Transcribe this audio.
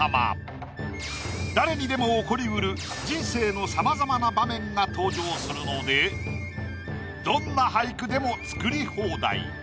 誰にでも起こりうる人生のさまざまな場面が登場するのでどんな俳句でも作り放題。